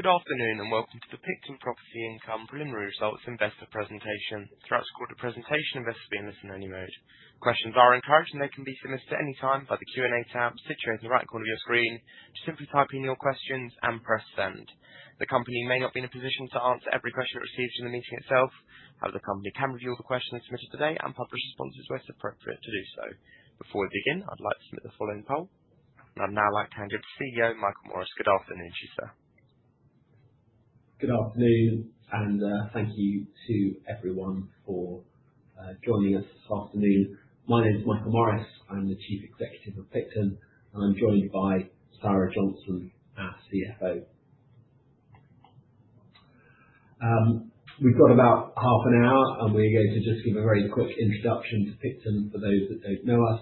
Good afternoon and Welcome To The Picton Property Income Preliminary Results Investor Presentation. Throughout this quarter presentation, investors will be in listen-only mode. Questions are encouraged and they can be submitted at any time via the Q&A Tab situated in the right corner of your screen. Just simply type in your questions and press send. The company may not be in a position to answer every question it receives during the meeting itself. However, the Company can review all the questions submitted today and publish responses where it is appropriate to do so. Before we begin, I'd like to submit the following Poll. I'd now like to hand you over to CEO Michael Morris. Good afternoon, Chief Sir. Good afternoon and thank you to everyone for joining us this afternoon. My name's Michael Morris, I'm the Chief Executive of Picton and I'm joined by Saira Johnston as CFO. We've got about half an hour and we're going to just give a very quick introduction to Picton for those that don't know us.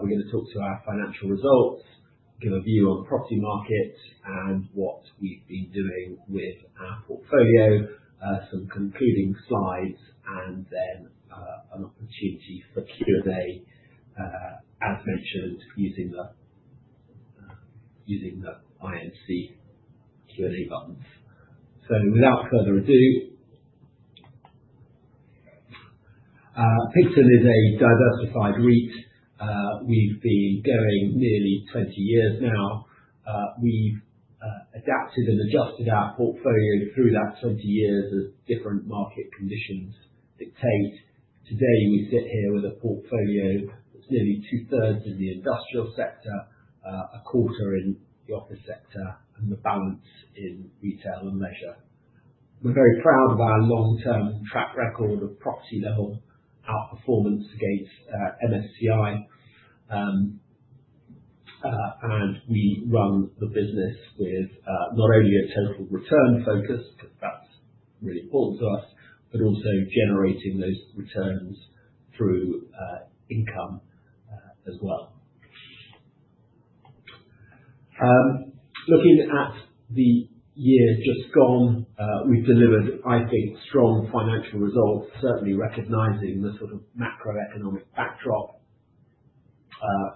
We're going to talk through our financial results, give a view on the property market and what we've been doing with our portfolio, some concluding slides, and then an opportunity for Q&A as mentioned using the IMC Q&A Buttons. Without further ado. Picton is a diversified REIT. We've been going nearly 20 years now. We've adapted and adjusted our portfolio through that 20 years as different market conditions dictate. Today we sit here with a portfolio that's nearly two-thirds in the industrial sector, a quarter in the office sector, and the balance in Retail and Leisure. We're very proud of our long-term track record of property-level outperformance against MSCI. We run the business with not only a total return focus, because that's really important to us, but also generating those returns through income as well. Looking at the year just gone, we've delivered, I think, strong financial results, certainly recognizing the sort of macroeconomic backdrop.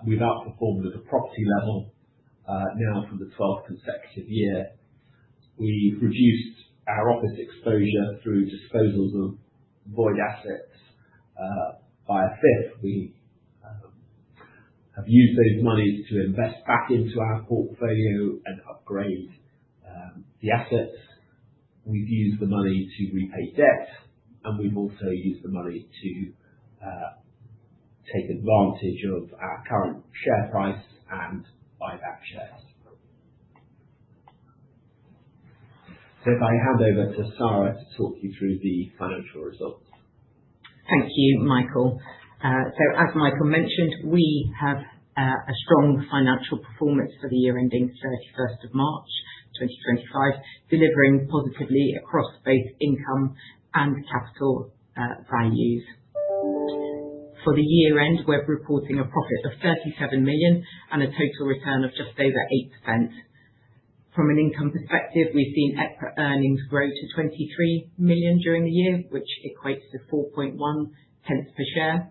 We've outperformed at the property level now for the 12th consecutive year. We've reduced our office exposure through disposals of void assets by a fifth. We have used those monies to invest back into our portfolio and upgrade the assets. We've used the money to repay debt, and we've also used the money to take advantage of our current share price and buy back shares. If I hand over to Saira to talk you through the financial results. Thank you, Michael. As Michael mentioned, we have a strong financial performance for the year ending 31st of March 2025, delivering positively across both income and capital values. For the year end, we are reporting a profit of 37 million and a total return of just over 8%. From an income perspective, we have seen EPRA earnings grow to 23 million during the year, which equates to 0.041 per share.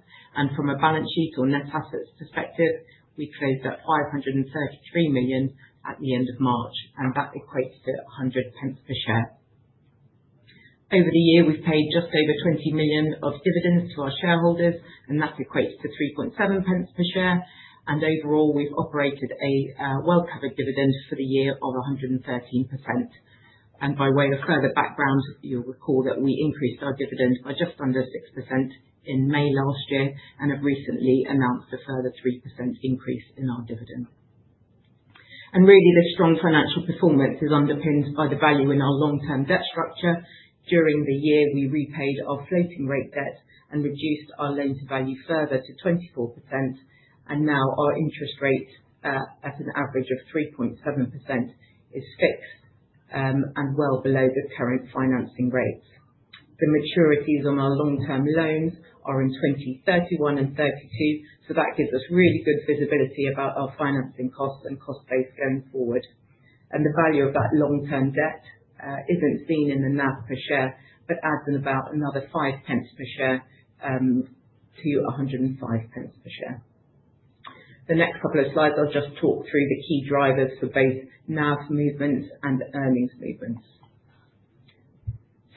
From a balance sheet or net assets perspective, we closed at 533 million at the end of March, and that equates to 1.00 per share. Over the year, we have paid just over 20 million of dividends to our shareholders, and that equates to 0.037 per share. Overall, we have operated a well-covered dividend for the year of 113%. By way of further background, you'll recall that we increased our dividend by just under 6% in May last year and have recently announced a further 3% increase in our dividend. Really, this strong financial performance is underpinned by the value in our long-term debt structure. During the year, we repaid our floating rate debt and reduced our Loan to Value further to 24%. Now our interest rate at an average of 3.7% is fixed and well below the current financing rates. The maturities on our long-term loans are in 2031 and 2032, which gives us really good visibility about our financing costs and cost base going forward. The value of that long-term debt is not seen in the NAV per share, but adds in about another 0.05 per share to 1.05 per share. The next couple of slides, I'll just talk through the key drivers for both NAV movements and earnings movements.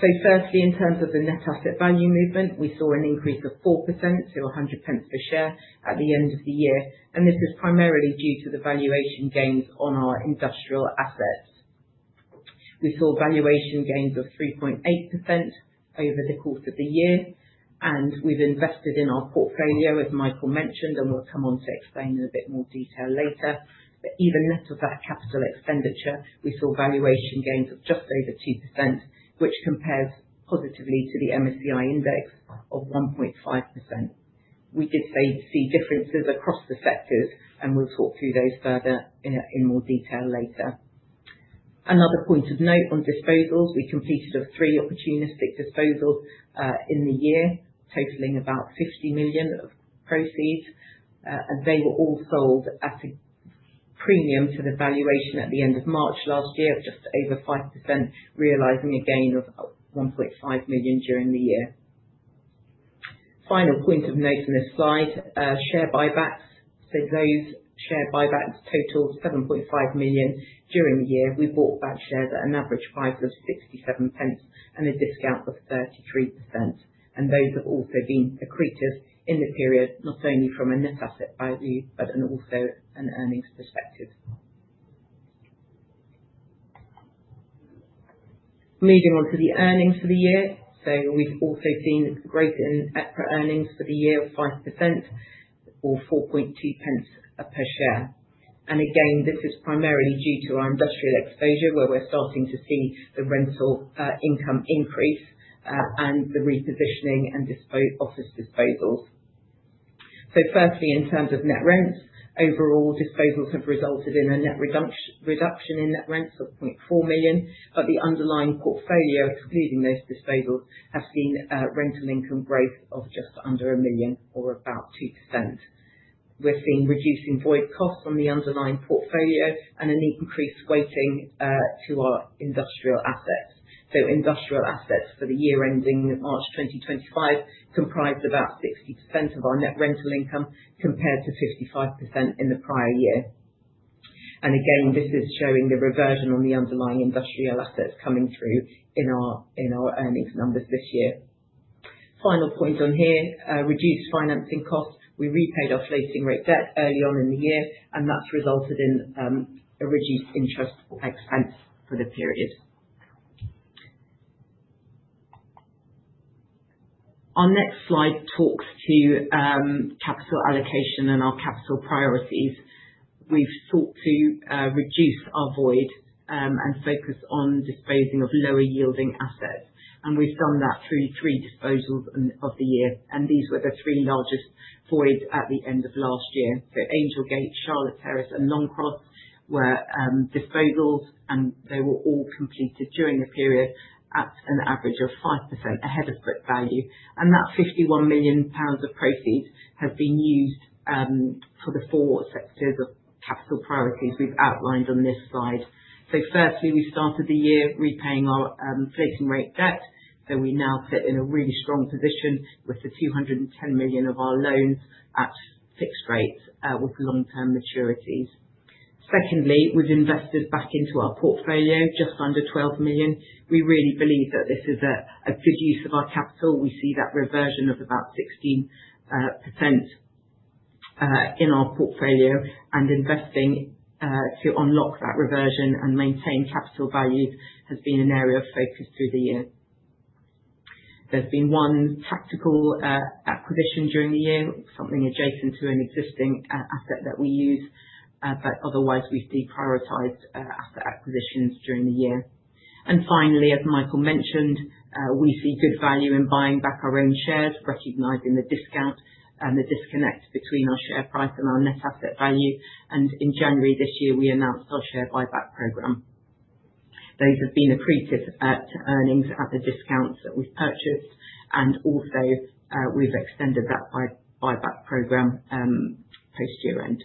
Firstly, in terms of the Net Asset Value movement, we saw an increase of 4% to 1.00 per share at the end of the year. This is primarily due to the valuation gains on our industrial assets. We saw valuation gains of 3.8% over the course of the year. We've invested in our portfolio, as Michael mentioned, and we'll come on to explain in a bit more detail later. Even net of that capital expenditure, we saw valuation gains of just over 2%, which compares positively to the MSCI Index of 1.5%. We did see differences across the sectors, and we'll talk through those further in more detail later. Another point of note on disposals, we completed three opportunistic disposals in the year, totaling about 50 million of proceeds. They were all sold at a premium to the valuation at the end of March last year of just over 5%, realizing a gain of 1.5 million during the year. Final point of note on this slide, share buybacks. Those share buybacks totaled 7.5 million during the year. We bought back shares at an average price of 0.67 and a discount of 33%. Those have also been accretive in the period, not only from a net asset value, but also an Earnings Perspective. Moving on to the earnings for the year. We have also seen a growth in EPRA earnings for the year of 5% or 0.042 per share. This is primarily due to our industrial exposure, where we're starting to see the Rental Income increase and the repositioning and office disposals. Firstly, in terms of Net Rents, overall disposals have resulted in a net reduction in Net Rents of 0.4 million, but the underlying portfolio, excluding those disposals, has seen Rental Income growth of just under 1 million, or about 2%. We're seeing reducing Void Costs on the underlying portfolio and an increased weighting to our industrial assets. Industrial assets for the year ending March 2025 comprised about 60% of our net Rental Income compared to 55% in the prior year. This is showing the reversion on the underlying industrial assets coming through in our earnings numbers this year. Final point on here, reduced financing costs. We repaid our floating rate debt early on in the year, and that's resulted in a reduced interest expense for the period. Our next slide talks to capital allocation and our capital priorities. We've sought to reduce our Void and focus on disposing of lower yielding assets. We've done that through three disposals of the year. These were the three largest Voids at the end of last year. Angel Gate, Charlotte Terrace, and Long Cross were disposals, and they were all completed during a period at an average of 5% ahead of book value. That 51 million pounds of proceeds has been used for the four sectors of capital priorities we've outlined on this slide. Firstly, we started the year repaying our floating rate debt. We now sit in a really strong position with 210 million of our loans at fixed rates with long-term maturities. Secondly, we have invested back into our Portfolio just under 12 million. We really believe that this is a good use of our capital. We see that Reversion of about 16% in our Portfolio. Investing to unlock that Reversion and maintain capital values has been an area of focus through the year. There has been one tactical acquisition during the year, something adjacent to an existing asset that we use, but otherwise we have deprioritized asset acquisitions during the year. Finally, as Michael mentioned, we see good value in buying back our own shares, recognizing the discount and the disconnect between our share price and our Net Asset Value. In January this year, we announced our Share Buyback Program. Those have been accretive to earnings at the discounts that we've purchased. We have also extended that buyback program post-year end.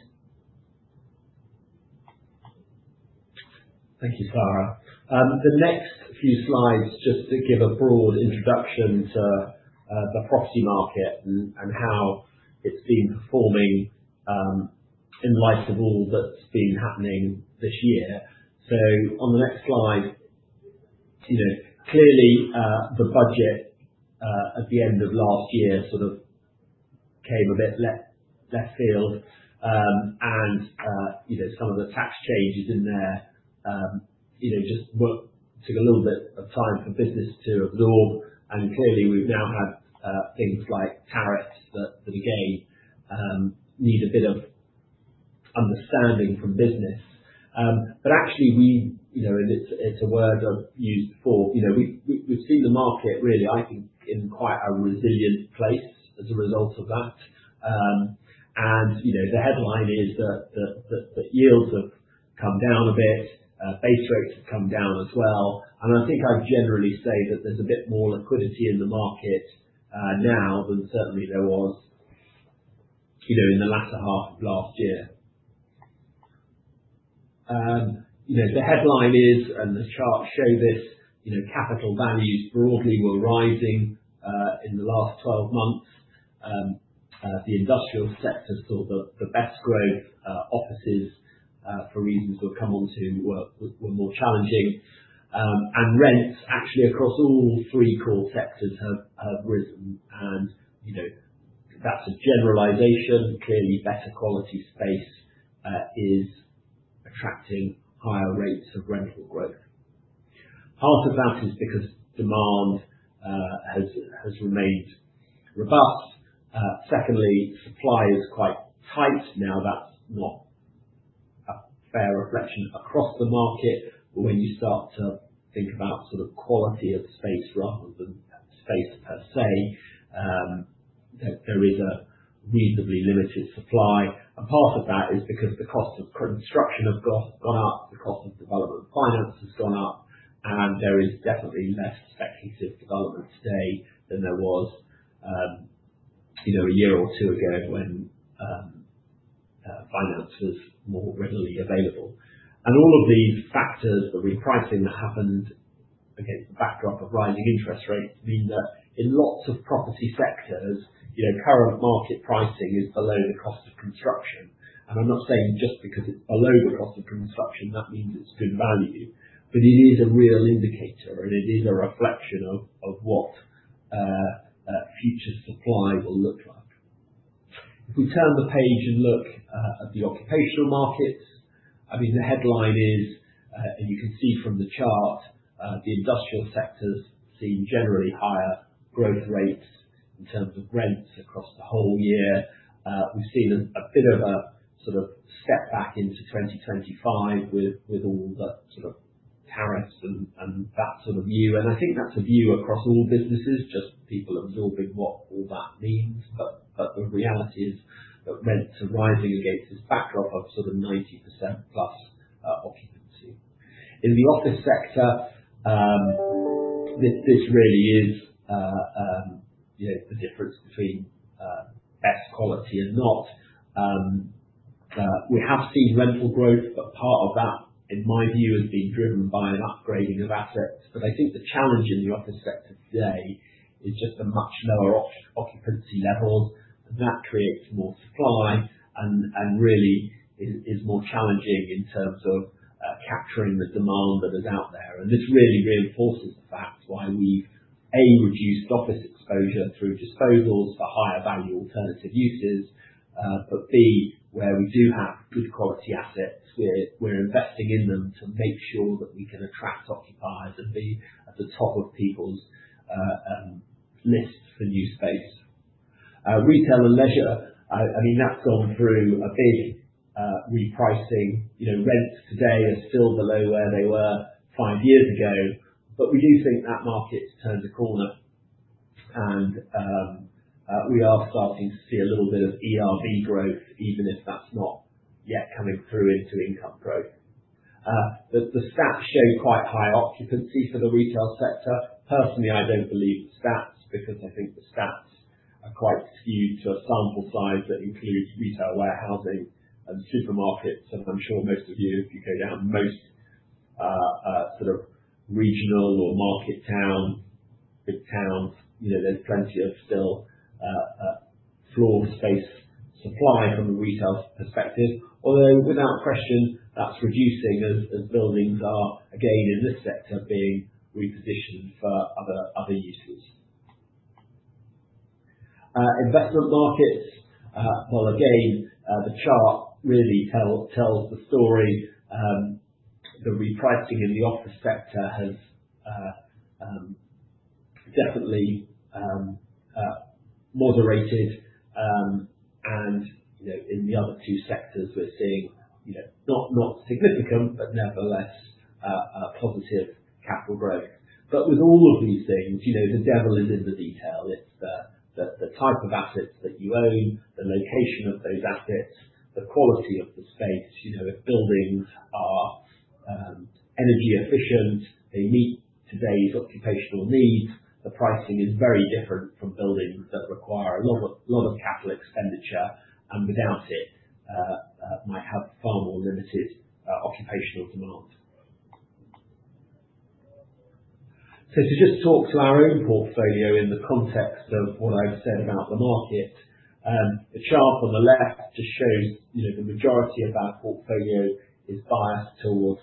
Thank you, Saira. The next few slides just to give a broad introduction to the property market and how it's been performing in light of all that's been happening this year. On the next slide, clearly the Budget at the end of last year sort of came a bit left field. Some of the Tax Changes in there just took a little bit of time for business to absorb. Clearly we've now had things like Tariffs that again need a bit of understanding from business. Actually, and it's a word I've used before, we've seen the market really, I think, in quite a resilient place as a result of that. The headline is that Yields have come down a bit, Base Rates have come down as well. I think I'd generally say that there's a bit more liquidity in the market now than certainly there was in the latter half of last year. The headline is, and the charts show this, Capital Values broadly were rising in the last 12 months. The Industrial Sector saw the best growth. Offices, for reasons we'll come on to, were more challenging. Rents, actually across all three core sectors, have risen. That's a generalization. Clearly, better quality space is attracting higher rates of Rental Growth. Part of that is because Demand has remained robust. Secondly, Supply is quite tight. That's not a fair reflection across the market. When you start to think about sort of quality of space rather than space per se, there is a reasonably limited Supply. Part of that is because the Cost of Construction has gone up, the cost of Development Finance has gone up, and there is definitely less Speculative Development today than there was a year or two ago when Finance was more readily available. All of these factors, the repricing that happened against the backdrop of rising Interest Rates, mean that in lots of property sectors, current market pricing is below the Cost of Construction. I'm not saying just because it's below the Cost of Construction, that means it's good value. It is a real indicator, and it is a reflection of what future Supply will look like. If we turn the page and look at the Occupational Markets, I mean, the headline is, and you can see from the chart, the Industrial Sectors see generally higher Growth Rates in terms of Rents across the whole year. We've seen a bit of a sort of step back into 2025 with all the sort of Tariffs and that sort of view. I think that's a view across all businesses, just people absorbing what all that means. The reality is that rents are rising against this backdrop of sort of 90% plus Occupancy. In the office sector, this really is the difference between best quality and not. We have seen Rental Growth, but part of that, in my view, has been driven by an upgrading of Assets. I think the challenge in the office sector today is just the much lower Occupancy Levels. That creates more Supply and really is more challenging in terms of capturing the Demand that is out there. This really reinforces the fact why we've, A, reduced Office Exposure through disposals for higher value alternative uses, but B, where we do have good quality assets, we're investing in them to make sure that we can attract occupiers and be at the top of people's lists for new space. Retail and Leisure, I mean, that's gone through a big repricing. Rents today are still below where they were five years ago, but we do think that market's turned a corner. We are starting to see a little bit of ERV Growth, even if that's not yet coming through into Income Growth. The stats show quite high Occupancy for the Retail Sector. Personally, I don't believe the stats because I think the stats are quite skewed to a sample size that includes retail warehousing and supermarkets. I'm sure most of you, if you go down most sort of regional or market towns, big towns, there's plenty of still floor space supply from a retail perspective. Although without question, that's reducing as buildings are, again, in this sector being repositioned for other uses. Investment Markets, the chart really tells the story. The repricing in the Office Sector has definitely moderated. In the other two sectors, we're seeing not significant, but nevertheless positive capital growth. With all of these things, the devil is in the detail. It's the type of assets that you own, the location of those assets, the quality of the space. If buildings are energy efficient, they meet today's occupational needs. The pricing is very different from buildings that require a lot of Capital Expenditure. Without it, they might have far more limited occupational demand. To just talk to our own portfolio in the context of what I've said about the market, the chart on the left just shows the majority of our portfolio is biased towards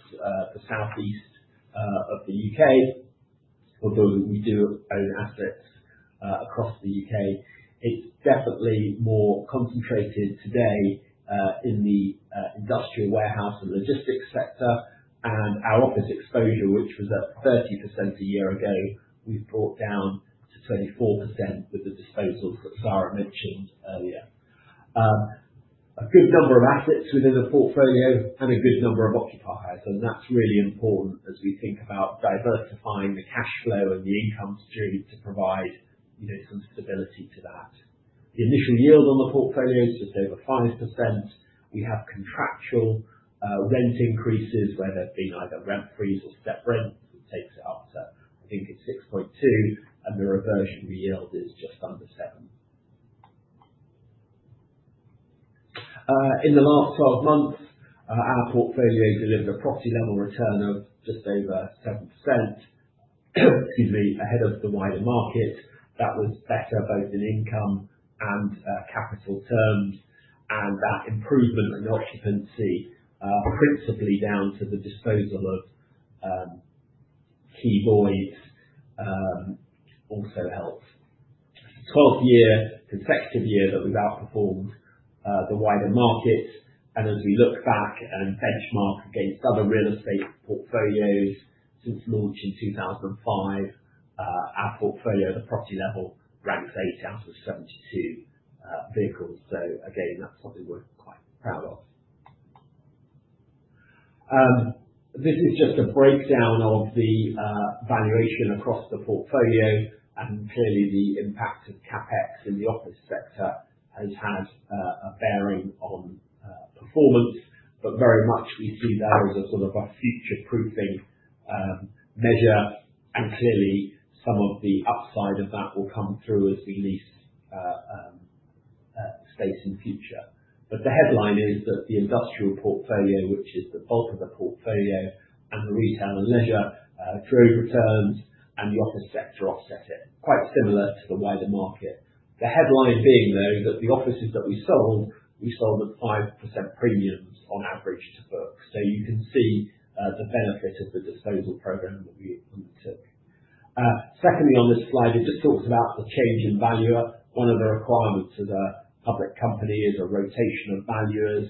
the South East of the U.K. Although we do own assets across the U.K., it's definitely more concentrated today in the Industrial Warehouse and Logistics Sector. Our Office Exposure, which was at 30% a year ago, we've brought down to 24% with the disposals that Saira mentioned earlier. A good number of assets within the portfolio and a good number of occupiers. That's really important as we think about diversifying the cash flow and the income stream to provide some stability to that. The initial yield on the portfolio is just over 5%. We have contractual rent increases where there have been either rent freeze or step rent that takes it up to, I think, 6.2%. The reversion yield is just under 7%. In the last 12 months, our portfolio delivered a property level return of just over 7%, excuse me, ahead of the wider market. That was better both in income and capital terms. That improvement in occupancy, principally down to the disposal of key voids, also helps. It is the 12th consecutive year that we have outperformed the wider market. As we look back and benchmark against other real estate portfolios since launch in 2005, our portfolio, at the property level, ranks 8 out of 72 vehicles. That is something we are quite proud of. This is just a breakdown of the valuation across the portfolio. Clearly, the impact of CapEx in the Office Sector has had a bearing on performance. Very much, we see that as a sort of future-proofing measure. Clearly, some of the upside of that will come through as we lease space in the future. The headline is that the Industrial Portfolio, which is the bulk of the portfolio, and the retail and leisure drove returns, and the Office Sector offset it. Quite similar to the wider market. The headline being, though, that the offices that we sold, we sold at 5% premiums on average to book. You can see the benefit of the Disposal Program that we undertook. Secondly, on this slide, it just talks about the change in value. One of the requirements of a Public Company is a rotation of valuers.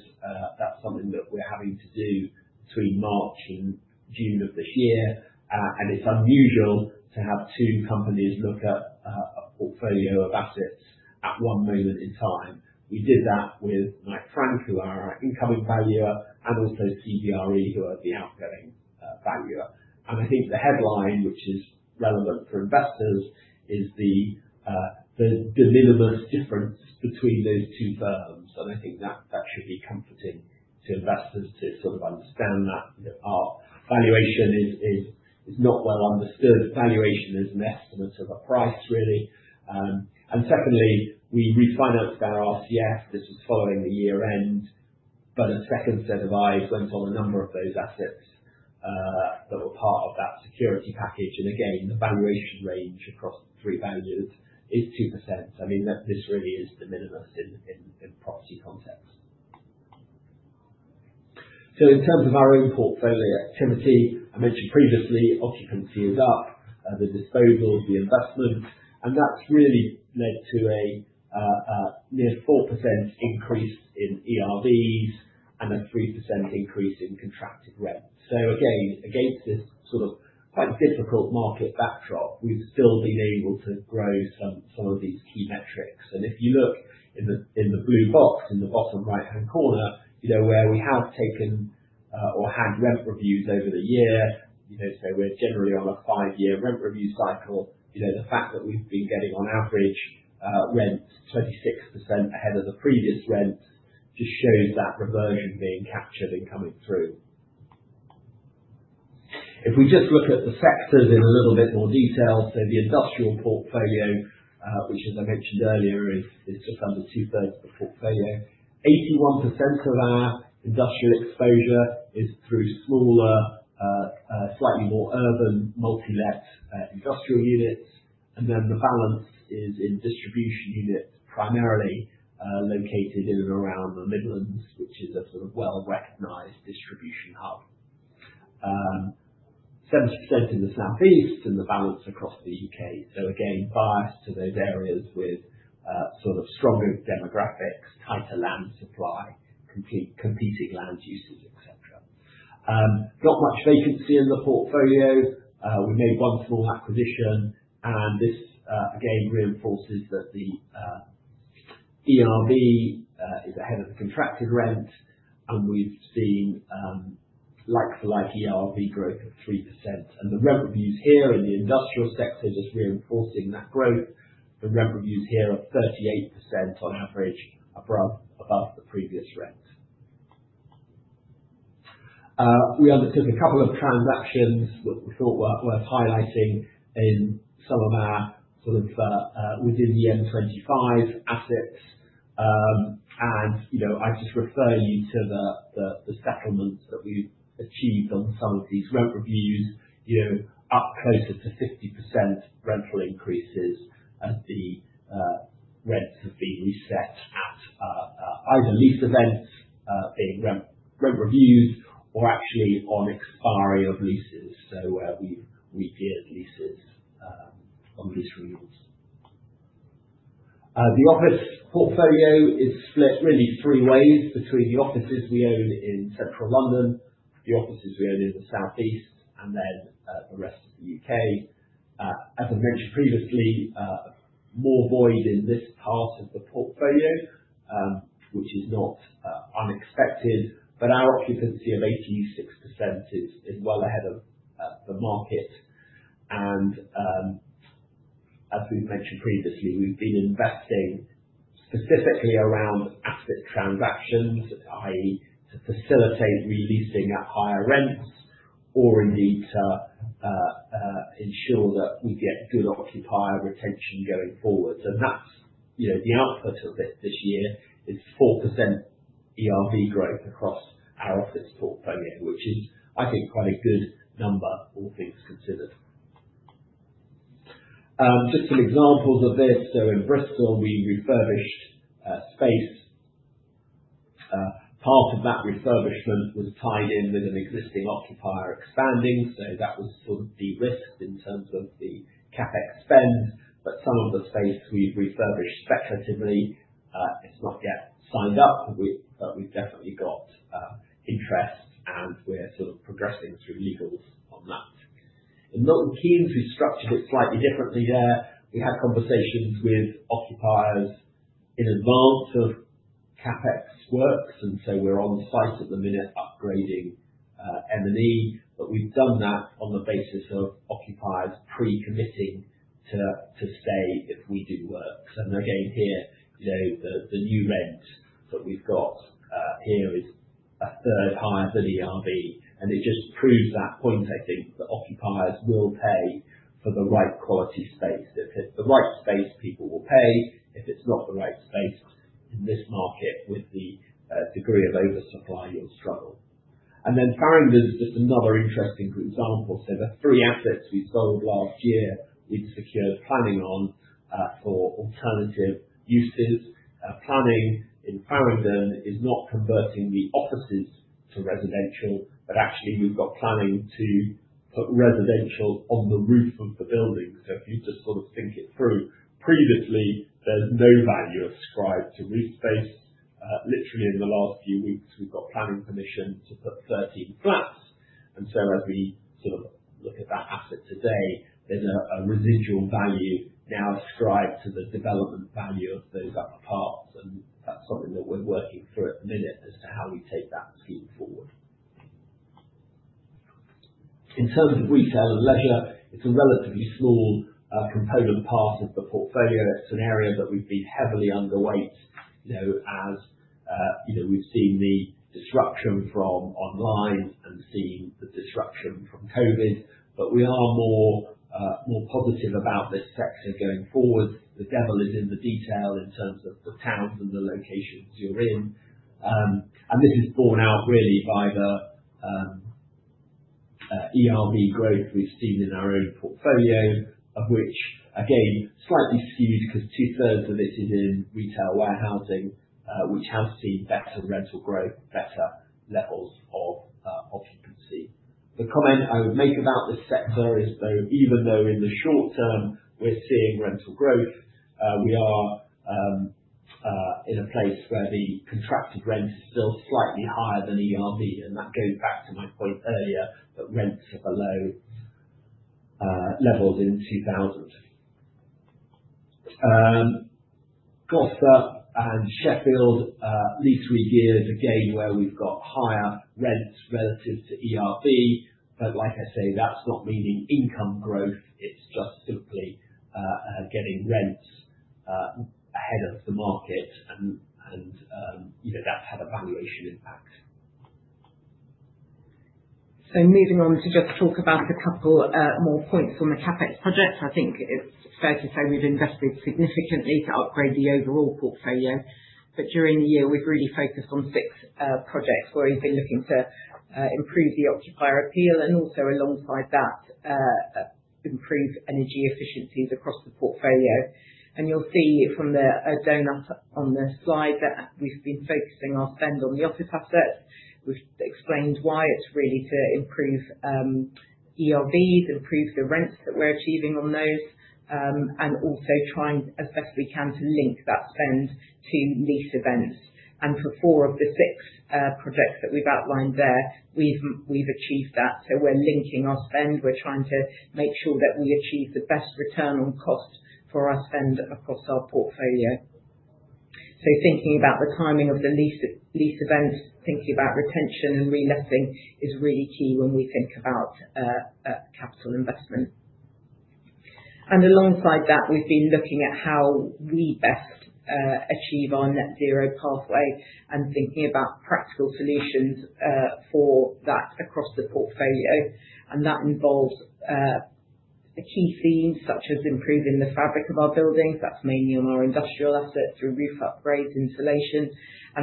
That is something that we are having to do between March and June of this year. It is unusual to have two companies look at a portfolio of assets at one moment in time. We did that with Knight Frank, who are our incoming valuer, and also CBRE, who are the outgoing valuer. I think the headline, which is relevant for investors, is the De Minimis difference between those two firms. I think that should be comforting to investors to sort of understand that our valuation is not well understood. Valuation is an estimate of a price, really. Secondly, we refinanced our RCF. This was following the year-end. A second set of eyes went on a number of those assets that were part of that security package. Again, the valuation range across the three values is 2%. I mean, this really is De Minimis in property context. In terms of our own portfolio activity, I mentioned previously, occupancy is up, the disposals, the investments. That's really led to a near 4% increase in ERVs and a 3% increase in contracted rents. Again, against this sort of quite difficult market backdrop, we've still been able to grow some of these key metrics. If you look in the blue box in the bottom right-hand corner, where we have taken or had rent reviews over the year, we're generally on a five-year rent review cycle. The fact that we've been getting on average rents 26% ahead of the previous rents just shows that reversion being captured and coming through. If we just look at the sectors in a little bit more detail, the Industrial Portfolio, which, as I mentioned earlier, is just under two-thirds of the portfolio. 81% of our industrial exposure is through smaller, slightly more urban multi-let industrial units. The balance is in distribution units, primarily located in and around the Midlands, which is a sort of well-recognized distribution hub. 70% in the South East and the balance across the U.K. Again, biased to those areas with sort of stronger demographics, tighter land supply, competing land uses, etc. Not much vacancy in the portfolio. We made one small acquisition. This, again, reinforces that the ERV is ahead of the contracted rent. We have seen like-for-like ERV growth of 3%. The rent reviews here in the industrial sector just reinforcing that growth. The rent reviews here are 38% on average above the previous rent. We undertook a couple of transactions that we thought were worth highlighting in some of our sort of within the M25 assets. I just refer you to the settlements that we've achieved on some of these rent reviews, up closer to 50% rental increases as the rents have been reset at either lease events being rent reviews or actually on expiry of leases, so where we've re-geared leases on lease renewals. The Office Portfolio is split really three ways between the offices we own in Central London, the offices we own in the South East, and then the rest of the U.K. As I mentioned previously, more void in this part of the portfolio, which is not unexpected. Our occupancy of 86% is well ahead of the market. As we've mentioned previously, we've been investing specifically around asset transactions, i.e., to facilitate releasing at higher rents or indeed to ensure that we get good occupier retention going forward. That is the output of this year, which is 4% ERV growth across our Office Portfolio, which is, I think, quite a good number, all things considered. Just some examples of this. In Bristol, we refurbished space. Part of that refurbishment was tied in with an existing occupier expanding. That was sort of de-risked in terms of the CapEx spend. Some of the space we have refurbished speculatively is not yet signed up, but we definitely have interest, and we are progressing through legals on that. In Milton Keynes, we structured it slightly differently there. We had conversations with occupiers in advance of CapEx works, and we are on site at the minute upgrading M&E. We have done that on the basis of occupiers pre-committing to stay if we do work. Again, here, the new rent that we have got here is a third higher than ERV. It just proves that point, I think, that occupiers will pay for the right quality space. If it is the right space, people will pay. If it is not the right space in this market with the degree of oversupply, you will struggle. Farringdon is just another interesting example. The three assets we sold last year, we had secured planning on for alternative uses. Planning in Farringdon is not converting the offices to residential, but actually we have got planning to put residential on the roof of the building. If you just sort of think it through, previously, there is no value ascribed to roof space. Literally, in the last few REITs, we have got planning permission to put 13 flats. As we sort of look at that asset today, there is a residual value now ascribed to the development value of those other parts. That is something that we are working through at the minute as to how we take that scheme forward. In terms of Retail and Leisure, it is a relatively small component part of the portfolio. It is an area that we have been heavily underweight as we have seen the disruption from online and seen the disruption from COVID. We are more positive about this sector going forward. The devil is in the detail in terms of the towns and the locations you are in. This is borne out really by the ERV growth we have seen in our own portfolio, of which, again, slightly skewed because two-thirds of it is in retail warehousing, which has seen better rental growth, better levels of occupancy. The comment I would make about this sector is, though, even though in the short term we're seeing rental growth, we are in a place where the contracted rent is still slightly higher than ERV. That goes back to my point earlier that rents are below levels in 2000. Gloucester and Sheffield, lease regeared, again, where we've got higher rents relative to ERV. Like I say, that's not meaning income growth. It's just simply getting rents ahead of the market. That's had a valuation impact. Moving on to just talk about a couple more points on the CapEx projects. I think it's fair to say we've invested significantly to upgrade the overall portfolio. During the year, we've really focused on six projects where we've been looking to improve the occupier appeal and also, alongside that, improve energy efficiencies across the portfolio. You'll see from the doughnut on the slide that we've been focusing our spend on the Office Assets. We've explained why—it's really to improve ERVs, improve the rents that we're achieving on those, and also trying as best we can to link that spend to lease events. For four of the six projects that we've outlined there, we've achieved that. We're linking our spend. We're trying to make sure that we achieve the best return on cost for our spend across our portfolio. Thinking about the timing of the lease events, thinking about retention and relessing is really key when we think about capital investment. Alongside that, we've been looking at how we best achieve our Net Zero pathway and thinking about practical solutions for that across the portfolio. That involves key themes such as improving the fabric of our buildings. That's mainly on our industrial assets through roof upgrades, insulation.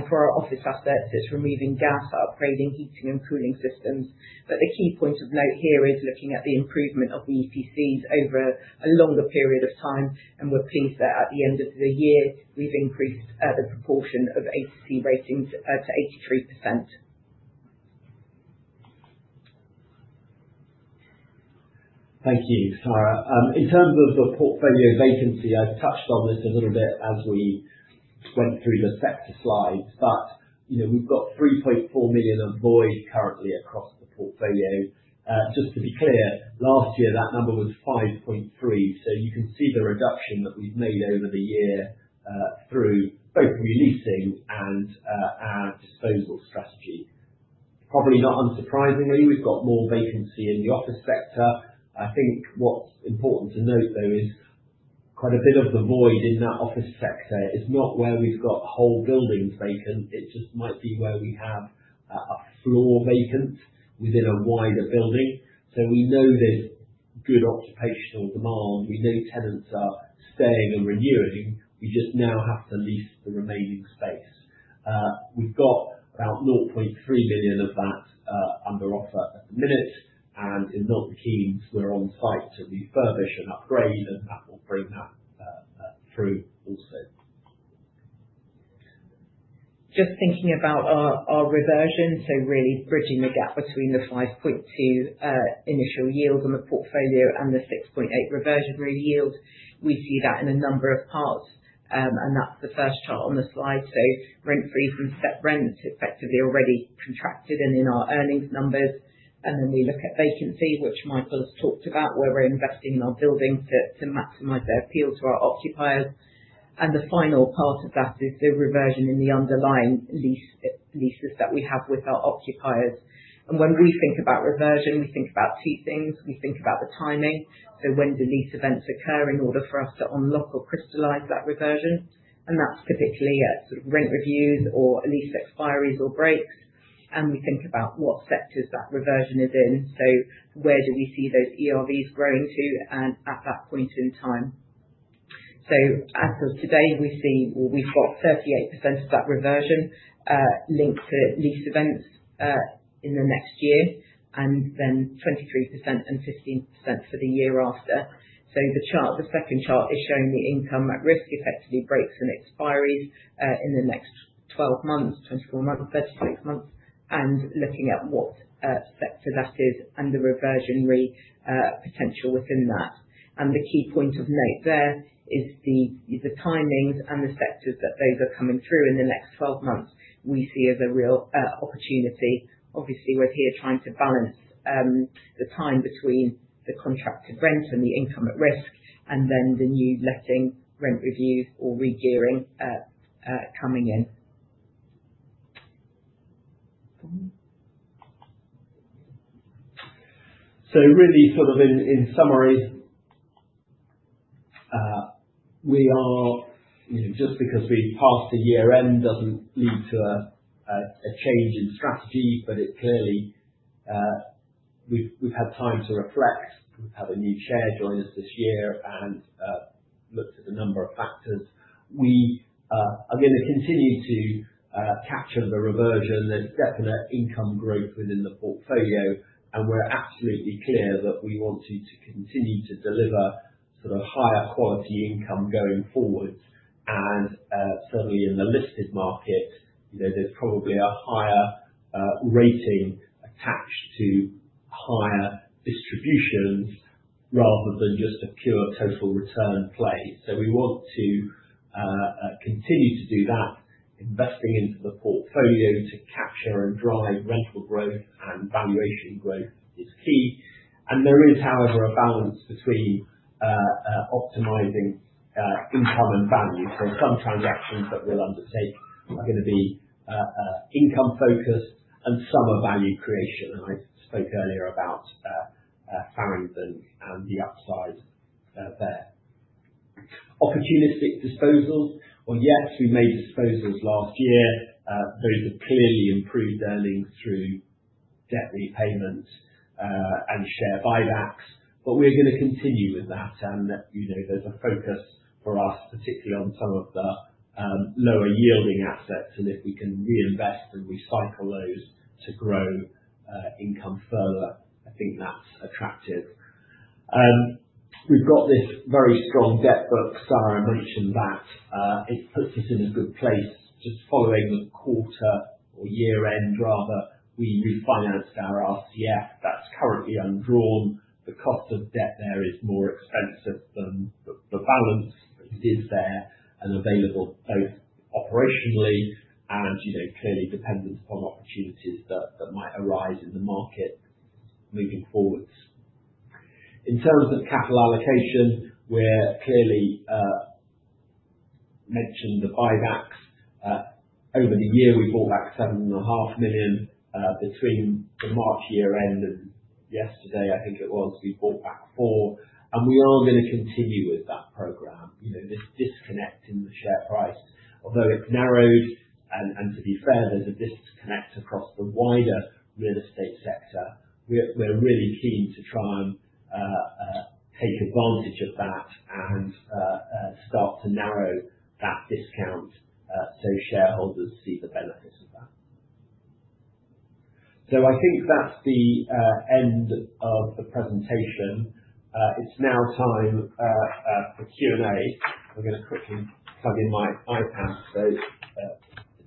For our office assets, it's removing gas, upgrading heating and cooling systems. The key point of note here is looking at the improvement of the EPCs over a longer period of time. We're pleased that at the end of the year, we've increased the proportion of EPC ratings to 83%. Thank you, Saira. In terms of the portfolio vacancy, I've touched on this a little bit as we went through the sector slides. We've got 3.4 million of void currently across the portfolio. Just to be clear, last year, that number was 5.3 million. You can see the reduction that we've made over the year through both reletting and our disposal strategy. Probably not unsurprisingly, we've got more vacancy in the office sector. I think what's important to note, though, is quite a bit of the void in that office sector is not where we've got whole buildings vacant. It just might be where we have a floor vacant within a wider building. We know there's good occupational demand. We know tenants are staying and renewing. We just now have to lease the remaining space. We've got about 0.3 million of that under offer at the minute. In Milton Keynes, we're on site to refurbish and upgrade, and that will bring that through also. Just thinking about our reversion, really bridging the gap between the 5.2% initial yield on the portfolio and the 6.8% reversion real yield, we see that in a number of parts. That's the first chart on the slide. Rent freeze and step rent are effectively already contracted and in our earnings numbers. We look at vacancy, which Michael has talked about, where we're investing in our buildings to maximize their appeal to our occupiers. The final part of that is the reversion in the underlying leases that we have with our occupiers. When we think about reversion, we think about two things. We think about the timing. When do lease events occur in order for us to unlock or crystallize that reversion? That is typically at sort of rent reviews or lease expiries or breaks. We think about what sectors that reversion is in. Where do we see those ERVs growing to at that point in time? As of today, we have 38% of that reversion linked to lease events in the next year, and then 23% and 15% for the year after. The second chart is showing the income at risk, effectively breaks and expiries in the next 12 months, 24 months, 36 months, and looking at what sector that is and the reversionary potential within that. The key point of note there is the timings and the sectors that those are coming through in the next 12 months we see as a real opportunity. Obviously, we're here trying to balance the time between the contracted rent and the income at risk and then the new letting, rent reviews, or regearing coming in. Really, sort of in summary, just because we've passed the year-end doesn't lead to a change in strategy, but clearly we've had time to reflect. We've had a new chair join us this year and looked at a number of factors. We are going to continue to capture the reversion. There's definite income growth within the portfolio. We're absolutely clear that we want to continue to deliver sort of higher quality income going forwards. Certainly in the Listed Market, there's probably a higher rating attached to higher distributions rather than just a pure total return play. We want to continue to do that. Investing into the portfolio to capture and drive rental growth and valuation growth is key. There is, however, a balance between optimizing income and value. Some transactions that we'll undertake are going to be income-focused and some are value creation. I spoke earlier about Farringdon and the upside there. Opportunistic disposals. Yes, we made disposals last year. Those have clearly improved earnings through debt repayments and share buybacks. We're going to continue with that. There's a focus for us, particularly on some of the lower-yielding assets. If we can reinvest and recycle those to grow income further, I think that's attractive. We've got this very strong debt book. Saira mentioned that. It puts us in a good place. Just following the year-end, we refinanced our RCF. That's currently undrawn. The cost of debt there is more expensive than the balance, but it is there and available both operationally and clearly dependent upon opportunities that might arise in the market moving forwards. In terms of capital allocation, we clearly mentioned the buybacks. Over the year, we bought back 7.5 million. Between the March year-end and yesterday, I think it was, we bought back 4 million. We are going to continue with that program, this disconnect in the share price. Although it's narrowed, and to be fair, there's a disconnect across the wider Real Estate Sector, we're really keen to try and take advantage of that and start to narrow that discount so shareholders see the benefits of that. I think that's the end of the presentation. It's now time for Q&A. I'm going to quickly plug in my iPad so it doesn't die. Great.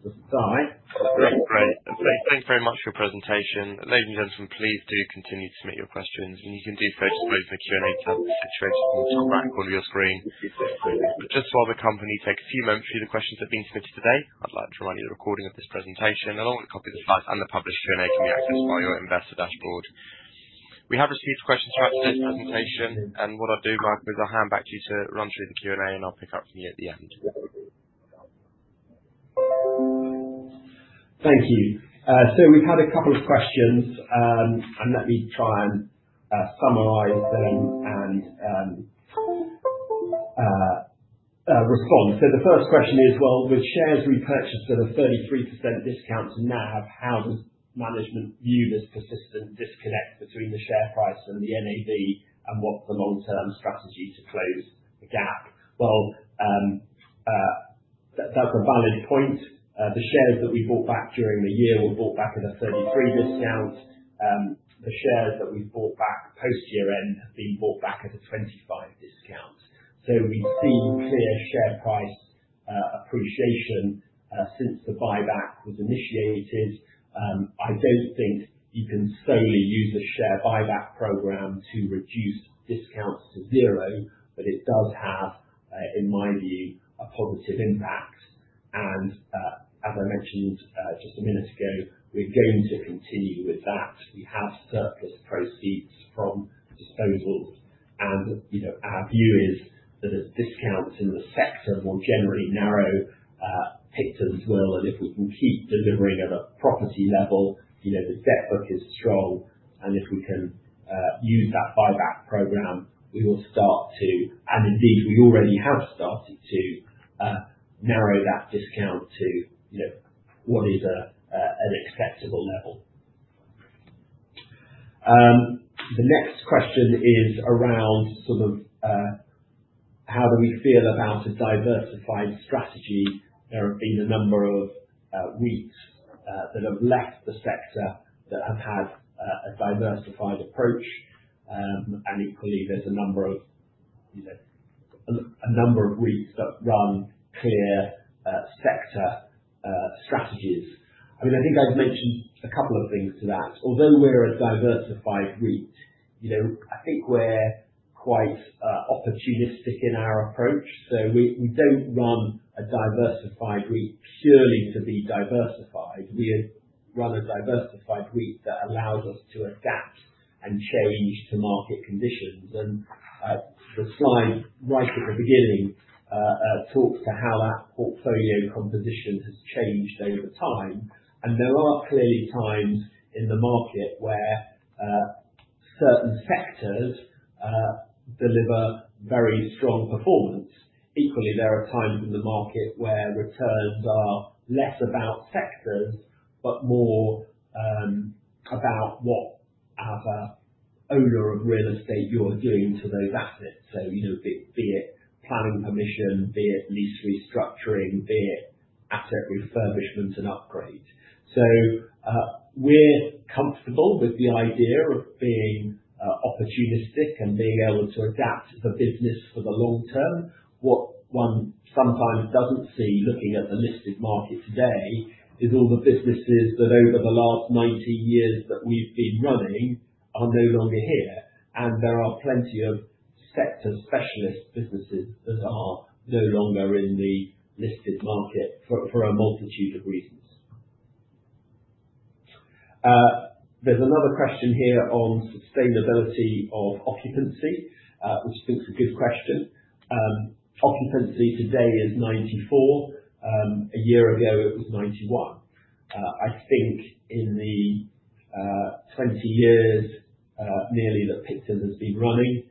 Thanks very much for your presentation. Ladies and gentlemen, please do continue to submit your questions. You can do so just by using the Q&A Tab. Switch it and go back on your screen. Just while the company takes a few moments for you, the questions that have been submitted today, I'd like to remind you the recording of this presentation, along with a copy of the slides and the published Q&A, can be accessed via your Investor Dashboard. We have received questions throughout today's presentation. What I'll do, Michael, is I'll hand back to you to run through the Q&A, and I'll pick up from you at the end. Thank you. We have had a couple of questions. Let me try and summarize them and respond. The first question is, with shares repurchased at a 33% discount to NAV, how does management view this persistent disconnect between the share price and the NAV, and what is the long-term strategy to close the gap? That is a valid point. The shares that we bought back during the year were bought back at a 33% discount. The shares that we have bought back post-year-end have been bought back at a 25% discount. We have seen clear share price appreciation since the buyback was initiated. I don't think you can solely use a share Buyback Program to reduce discounts to zero, but it does have, in my view, a positive impact. As I mentioned just a minute ago, we're going to continue with that. We have surplus proceeds from disposals, and our view is that discounts in the sector will generally narrow, pictures as well. If we can keep delivering at a property level, the debt book is strong. If we can use that Buyback Program, we will start to, and indeed, we already have started to narrow that discount to what is an acceptable level. The next question is around sort of how do we feel about a diversified strategy. There have been a number of REITs that have left the sector that have had a diversified approach. Equally, there's a number of REITs that run clear sector strategies. I mean, I think I've mentioned a couple of things to that. Although we're a diversified REIT, I think we're quite opportunistic in our approach. We don't run a diversified REIT purely to be diversified. We run a diversified REIT that allows us to adapt and change to market conditions. The slide right at the beginning talks to how that portfolio composition has changed over time. There are clearly times in the market where certain sectors deliver very strong performance. Equally, there are times in the market where returns are less about sectors but more about what as an owner of real estate you're doing to those assets. Be it planning permission, be it lease restructuring, be it asset refurbishment and upgrade. We're comfortable with the idea of being opportunistic and being able to adapt the business for the long term. What one sometimes does not see looking at the listed market today is all the businesses that over the last 19 years that we have been running are no longer here. There are plenty of sector specialist businesses that are no longer in the listed market for a multitude of reasons. There is another question here on sustainability of occupancy, which I think is a good question. Occupancy today is 94%. A year ago, it was 91%. I think in the 20 years nearly that Picton has been running,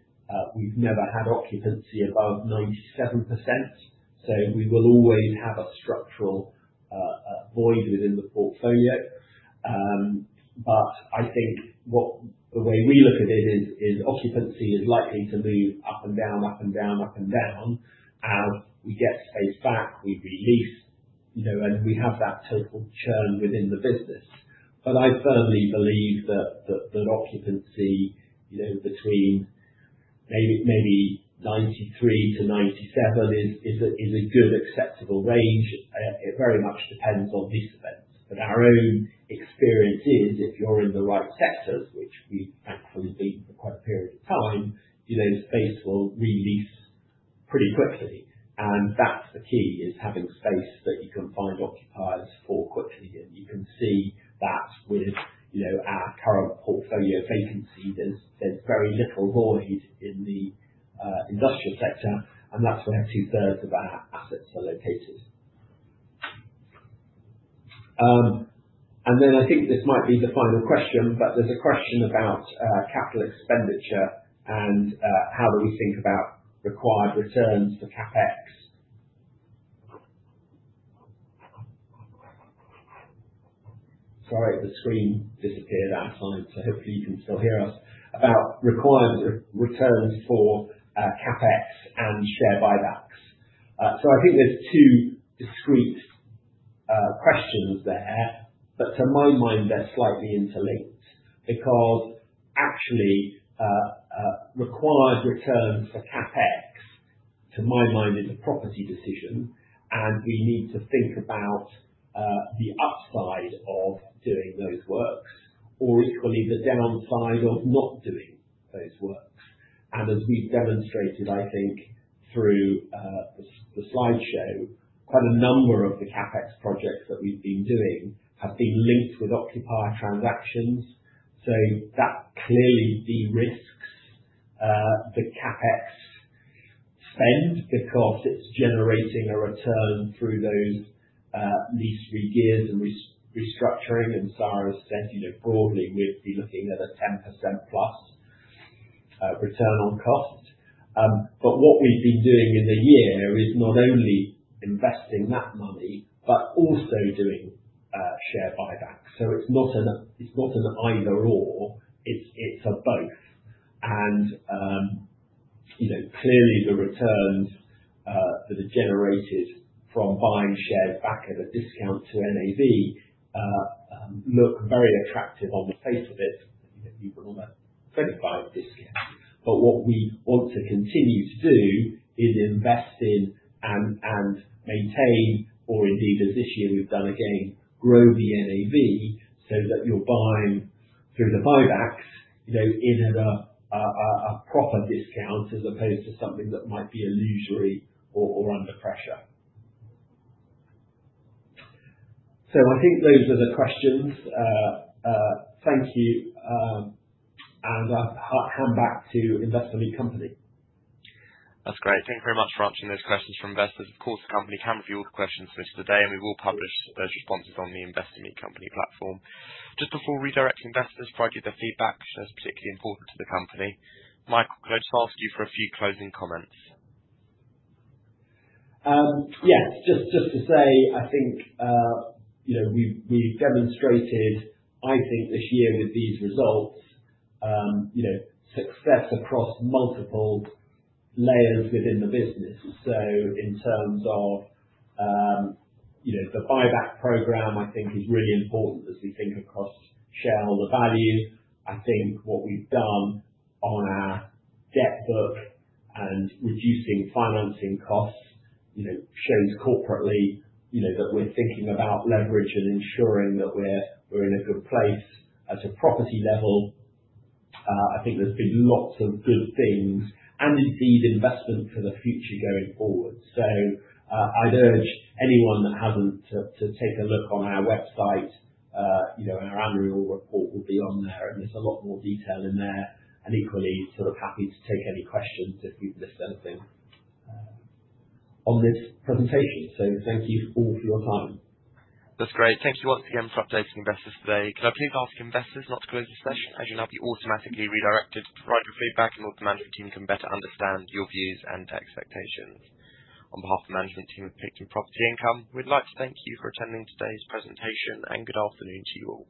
we have never had occupancy above 97%. We will always have a structural void within the portfolio. I think the way we look at it is occupancy is likely to move up and down, up and down, up and down. As we get space back, we release, and we have that total churn within the business. I firmly believe that occupancy between maybe 93-97% is a good acceptable range. It very much depends on lease events. Our own experience is, if you're in the right sectors, which we've thankfully been for quite a period of time, space will release pretty quickly. That is the key, having space that you can find occupiers for quickly. You can see that with our current portfolio vacancy, there's very little void in the industrial sector. That is where two-thirds of our assets are located. I think this might be the final question, but there's a question about capital expenditure and how do we think about required returns for CapEx. Sorry, the screen disappeared outside. Hopefully, you can still hear us about required returns for CapEx and share buybacks. I think there are two discrete questions there. To my mind, they're slightly interlinked because actually, required returns for CapEx, to my mind, is a property decision. We need to think about the upside of doing those works or equally the downside of not doing those works. As we've demonstrated, I think, through the slideshow, quite a number of the CapEx projects that we've been doing have been linked with occupier transactions. That clearly de-risks the CapEx spend because it's generating a return through those lease regears and restructuring. As Saira said, broadly, we'd be looking at a 10%+ return on cost. What we've been doing in the year is not only investing that money but also doing share buybacks. It's not an either/or. It's a both. Clearly, the returns that are generated from buying shares back at a discount to NAV look very attractive on the face of it. You've got a 25% discount. What we want to continue to do is invest in and maintain, or indeed, as this year we've done again, grow the NAV so that you're buying through the buybacks in at a proper discount as opposed to something that might be illusory or under pressure. I think those are the questions. Thank you. I'll hand back to Investor Meet Company. That's great. Thank you very much for answering those questions from investors. Of course, the company can review all the questions submitted today, and we will publish those responses on the Investor Meet Company platform. Just before redirecting investors, pride you the feedback shows particularly important to the company. Michael, could I just ask you for a few closing comments? Yes. Just to say, I think we've demonstrated, I think, this year with these results, success across multiple layers within the business. In terms of the share buyback program, I think it is really important as we think across shareholder value. I think what we've done on our debt book and reducing financing costs shows corporately that we're thinking about leverage and ensuring that we're in a good place at a property level. I think there's been lots of good things and indeed investment for the future going forward. I'd urge anyone that hasn't to take a look on our website. Our Annual Report will be on there, and there's a lot more detail in there. Equally, sort of happy to take any questions if we've missed anything on this presentation. Thank you all for your time. That's great. Thank you once again for updating investors today. Could I please ask investors not to close the session as you'll now be automatically redirected to provide your feedback in order that the management team can better understand your views and expectations? On behalf of the management team of Picton Property Income, we'd like to thank you for attending today's presentation. Good afternoon to you all.